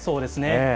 そうですね。